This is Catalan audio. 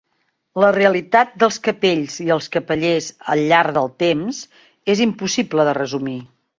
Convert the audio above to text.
La realitat dels capells i els capellers al llarg del temps és impossible de resumir.